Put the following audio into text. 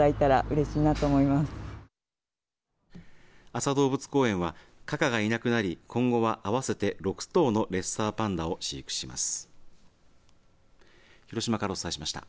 安佐動物公園はカカがいなくなり今後は合わせて６頭のレッサーパンダを飼育します。